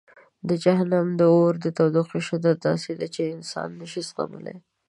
د جهنم د اور د تودوخې شدت داسې دی چې انسانان نه شي زغملی.